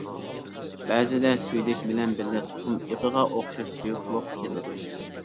بەزىدە سۈيدۈك بىلەن بىللە تۇخۇم ئېقىغا ئوخشاش سۇيۇقلۇق كېلىدۇ.